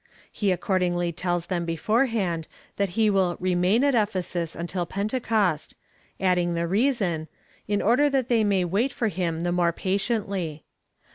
He accordingly tells them beforehand that he will remain at Ephesus until Pentecost, adding the reason — in order that they may wait for him the more patiently.